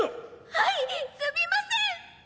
はい、すみません。